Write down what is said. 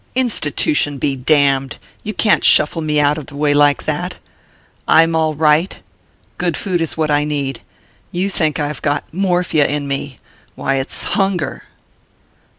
"Institution be damned! You can't shuffle me out of the way like that. I'm all right good food is what I need. You think I've got morphia in me why, it's hunger!"